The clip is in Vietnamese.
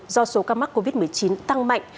do số ca mắc covid một mươi chín tăng mạnh